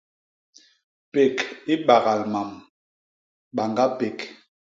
Pék i bagal mam; bañga pék.